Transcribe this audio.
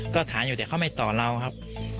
ก็ถามอยู่แต่เขาไม่ต่อเราครับ